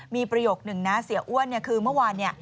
มีประโยคนึงนะเสียอ้วนคือเมื่อวาน